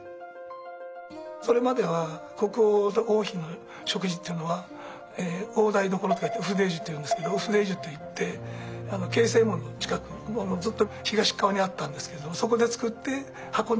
それまでは国王と王妃の食事っていうのは大台所と書いてウフデージュっていうんですけどウフデージュっていって継世門の近くずっと東側にあったんですけどもそこで作って運んできてたと。